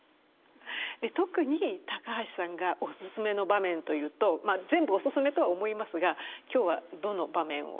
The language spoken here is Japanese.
特に高橋さんがお薦めの場面というとまあ全部お薦めとは思いますが今日はどの場面を？